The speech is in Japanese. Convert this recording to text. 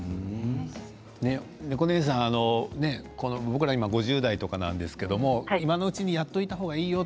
ねこねえさん、僕ら５０代とかなんですけれども今のうちにやっておいた方がいいもの